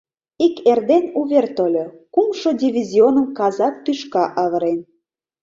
Ик эрден увер тольо: кумшо дивизионым казак тӱшка авырен.